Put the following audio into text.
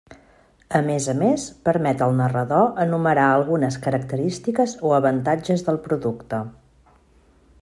A més a més, permet al narrador enumerar algunes característiques o avantatges del producte.